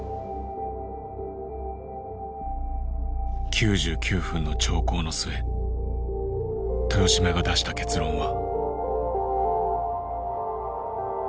９９分の長考の末豊島が出した結論は。